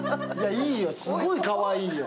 いいよ、すっごいかわいいよ。